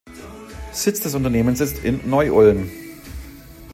Sitz des Unternehmens ist in Neu-Ulm.